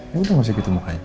ya udah gak usah gitu mukanya